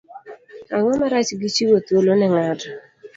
Ang'o marach gi chiwo thuolo ne ng'ato?